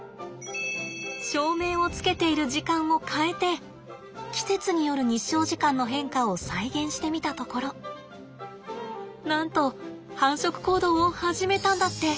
照明をつけている時間を変えて季節による日照時間の変化を再現してみたところなんと繁殖行動を始めたんだって。